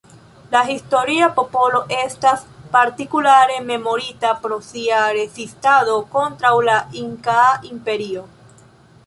La historia popolo estas partikulare memorita pro sia rezistado kontraŭ la Inkaa Imperio.